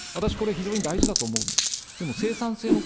私これ、非常に大事だと思うんです。